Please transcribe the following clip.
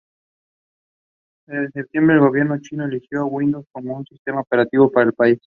En septiembre, el gobierno chino eligió Windows como sistema operativo para ese país.